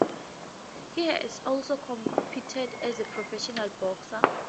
He has also competed as a professional boxer.